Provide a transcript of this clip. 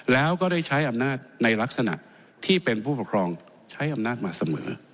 แล้วก็ได้ใช้อำนาจในลักษณะที่เป็นผู้ปกครองใช้อำนาจมาเสมอ